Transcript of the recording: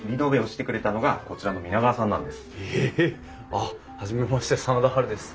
あっ初めまして真田ハルです。